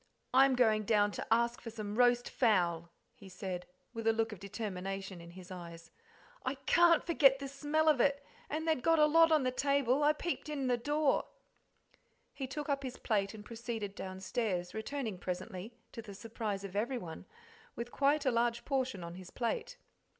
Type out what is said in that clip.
"I'm going down to ask for some roast fowl," he said, with a look of determination in his eyes. "I can't forget the smell of it, and they'd got a lot on the table I peeped in the door." He took up his plate and proceeded downstairs, returning presently, to the surprise of everyone, with quite a large portion on his plate.